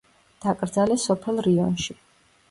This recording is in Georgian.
დაკრძალეს სოფელ რიონში.